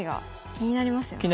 気になりますよね。